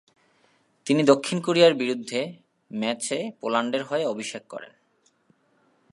তিনি দক্ষিণ কোরিয়ার বিরুদ্ধে ম্যাচে পোল্যান্ডের হয়ে অভিষেক করেন।